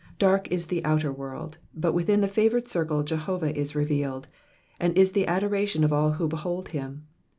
Dark is the outer world, but within the favoured circle Jehovah is revealed, and is the adoration of all who behold him.